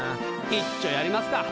いっちょやりますか。